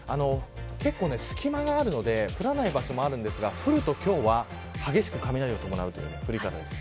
結構すき間があるので降らない場所もありますが降ると今日は激しく雷を伴う降り方です。